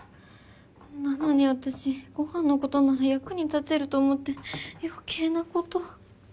なのに私ご飯のことなら役に立てると思って余計なこと。